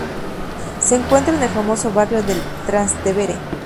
Se encuentra en el famoso barrio del Trastevere.